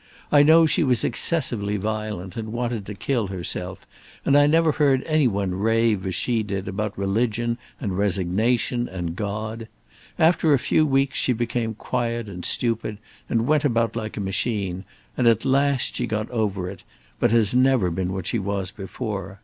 I know she was excessively violent and wanted to kill herself, and I never heard any one rave as she did about religion and resignation and God. After a few weeks she became quiet and stupid and went about like a machine; and at last she got over it, but has never been what she was before.